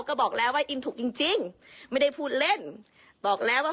ก็บอกแล้วว่าอิมถูกจริงจริงไม่ได้พูดเล่นบอกแล้วว่า